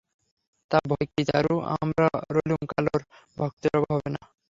তা, ভয় কী চারু, আমরা রইলুম, কালোর ভক্তের অভাব হবে না।